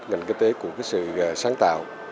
ngành kinh tế của sự sáng tạo